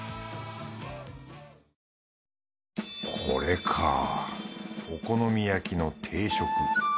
これかぁお好み焼きの定食。